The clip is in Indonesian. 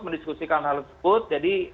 mendiskusikan hal tersebut jadi